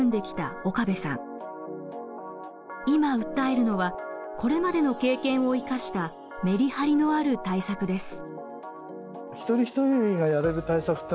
今訴えるのはこれまでの経験を生かしたメリハリのある対策です。